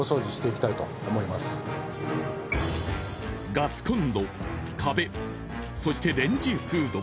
ガスコンロ、壁、そしてレンジフード。